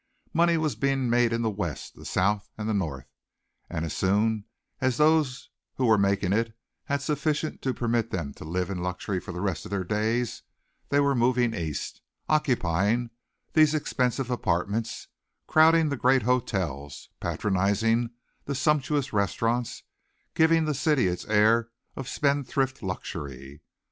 Money was being made in the West, the South and the North, and as soon as those who were making it had sufficient to permit them to live in luxury for the rest of their days they were moving East, occupying these expensive apartments, crowding the great hotels, patronizing the sumptuous restaurants, giving the city its air of spendthrift luxury.